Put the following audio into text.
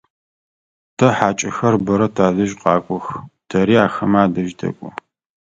Тэ хьакӏэхэр бэрэ тадэжь къэкӏох, тэри ахэмэ адэжь тэкӏо.